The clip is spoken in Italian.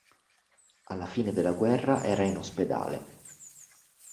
Alla fine della guerra era in ospedale.